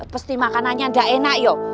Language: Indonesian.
pasti makanannya gak enak yuk